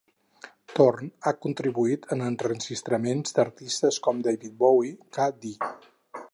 Torn ha contribuït a enregistraments d'artistes com David Bowie, k.d.